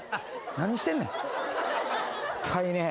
何してんねん。